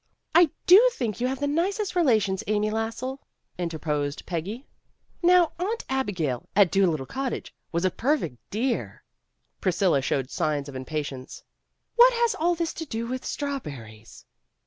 "I do think you have the nicest relations, Amy Lassell." interposed Peggy. "Now Aunt Abigail, at Doolittle cottage, was a perfect dear. '' Priscilla showed signs of impatience. "What has all this to do with strawberries?"